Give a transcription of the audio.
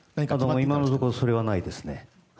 今のところそれはないです。